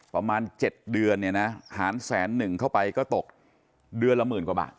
ประมาณ๗เดือนเนี่ยนะหารแสนหนึ่งเข้าไปก็ตกเดือนละหมื่นกว่าบาท